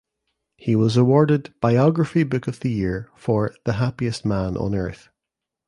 He was awarded "Biography Book of the Year" for "The Happiest Man on Earth".